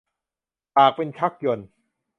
ปากเป็นชักยนต์